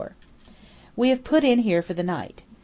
We have put in here for the night.